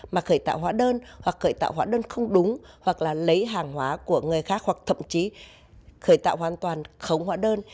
mà khởi tạo hóa đơn hoặc khởi tạo hóa đơn không đúng hoặc là lấy hàng hóa của người khác hoặc thậm chí khởi tạo hoàn toàn khống hóa đơn